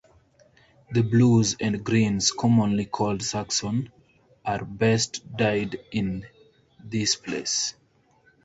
The blues and greens, commonly called Saxon, are best dyed in this place.